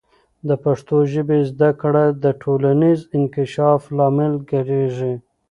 د پښتو ژبې زده کړه د ټولنیز انکشاف لامل کیږي.